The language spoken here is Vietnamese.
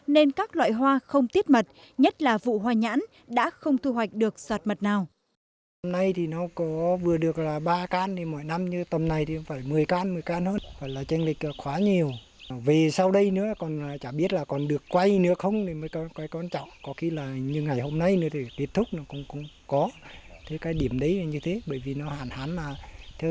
nên các loại hoa không tiết mật nhất là vụ hoa nhãn đã không thu hoạch được sọt mật nào